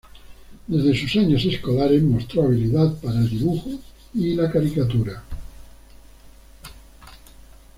Desde sus años escolares mostró habilidad para el dibujo y la caricatura.